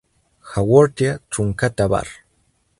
Haworthia truncata var.